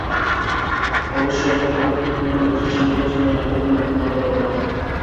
অবশ্য একাধিক প্রার্থী কমানোর প্রচেষ্টা নির্বাচনের আগের দিন পর্যন্ত আমাদের অব্যাহত থাকবে।